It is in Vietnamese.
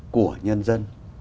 của nhân dân